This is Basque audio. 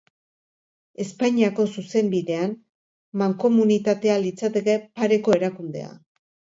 Espainiako zuzenbidean, mankomunitatea litzateke pareko erakundea.